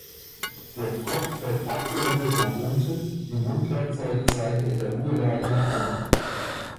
Der Kopf fällt abgerundet nach unten, die Mundwerkzeuge zeigen in der Ruhelage nach unten.